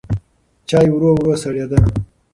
چای ورو ورو سړېده.